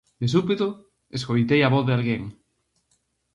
De súpeto, escoitei a voz de alguén.